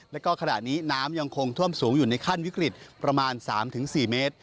แล้วก็ขณะนี้น้ำยังคงท่วมสูงอยู่ในขั้นวิกฤตประมาณ๓๔เมตร